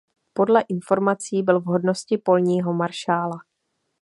Podle informací byl v hodnosti polního maršála.